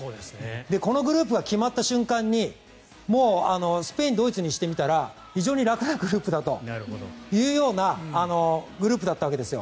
このグループが決まった瞬間にもうスペイン、ドイツにしてみたら非常に楽なグループだというようなグループだったわけですよ。